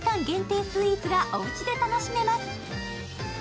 限定スイーツがおうちで楽しめます。